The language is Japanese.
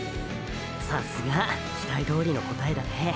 さっすが期待どおりの答えだね。